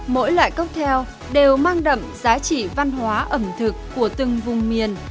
mỗi loại cocktail đều mang đậm giá trị văn hóa ẩm thực của từng vùng miền